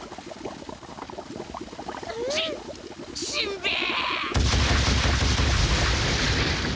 ししんべヱ！